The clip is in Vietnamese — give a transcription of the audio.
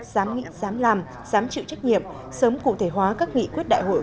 dám nghĩ dám làm dám chịu trách nhiệm sớm cụ thể hóa các nghị quyết đại hội